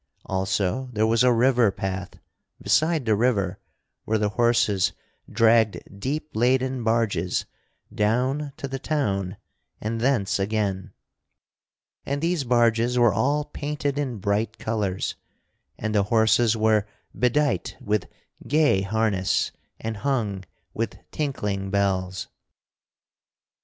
Also there was a river path beside the river where the horses dragged deep laden barges down to the town and thence again; and these barges were all painted in bright colors, and the horses were bedight with gay harness and hung with tinkling bells.